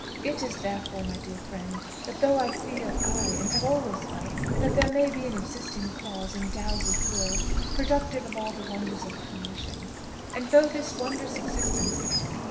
It is therefore, my dear friend, that though I feel, ay, and have always felt, that there may be an existing cause, endowed with will, productive of all the wonders of creation and though this wondrous existence, if it be!